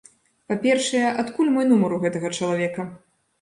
Па-першае, адкуль мой нумар у гэтага чалавека?